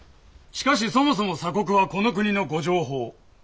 しかしそもそも鎖国はこの国のご定法。